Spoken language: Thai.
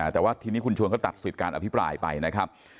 แต่ว่าทีนี้คุณชวนก็ตัดสิทธิ์การอภิปรายไปนะครับ